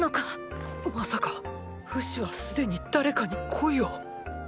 まさかフシはすでに誰かに恋を？